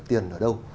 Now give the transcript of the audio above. tiền ở đâu